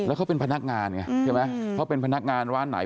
แล้วเขาเป็นพนักงานไงเพราะเป็นพนักงานร้านไหน